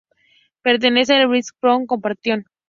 Pertenece a la British Broadcasting Corporation.